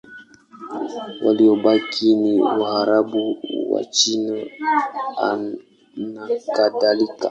Waliobaki ni Waarabu, Wachina nakadhalika.